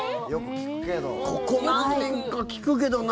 ここ何年か聞くけどな。